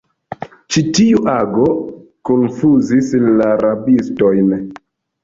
Ĉi tiu ago konfuzis la rabistojn.